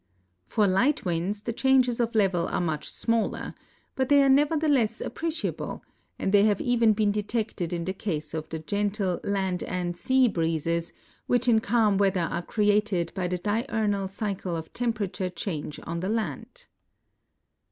* For light winds the changes of level are much smaller, but they are nevertheless appreciable, and they have even been detected in the case of the gentle " land and sea " breezes which in calm weather are created by the diurnal cycle of temperature change on the land.